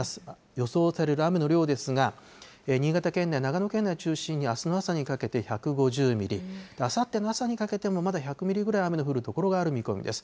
予想される雨の量ですが、新潟県内、長野県内を中心にあすの朝にかけて１５０ミリ、あさっての朝にかけてもまだ１００ミリぐらい雨の降る所がある見込みです。